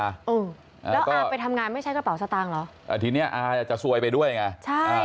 อืมแล้วอาไปทำงานไม่ใช่กระเป๋าสตางค์เหรออ่าทีเนี้ยอาจะซวยไปด้วยไงใช่อ่า